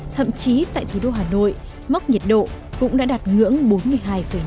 thậm chí tại thủ đô hà nội mốc nhiệt độ cũng đã đạt ngưỡng bốn mươi hai năm độ c